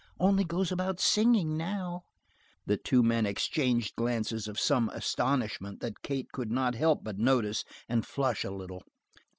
"Only goes about singing, now." The two men exchanged glances of such astonishment that Kate could not help but notice and flush a little.